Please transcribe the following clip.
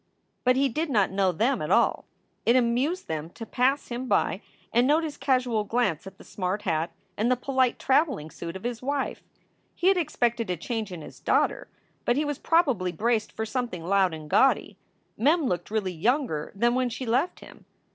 But he did not know them at all. It amused them to pass him by and note his casual glance at the smart hat and the polite traveling suit of his wife. He had expected a change in his daughter, but he was probably braced for something loud and gaudy. Mem looked really younger than when she left him.